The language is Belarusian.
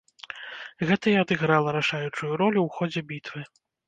Гэта і адыграла рашаючую ролю ў ходзе бітвы.